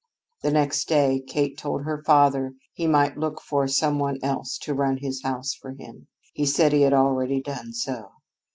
The next day Kate told her father he might look for some one else to run his house for him. He said he had already done so.